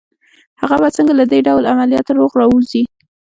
هغه به څنګه له دې ډول عملياته روغ را ووځي